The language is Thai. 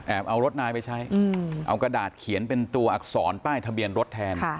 เอารถนายไปใช้เอากระดาษเขียนเป็นตัวอักษรป้ายทะเบียนรถแทน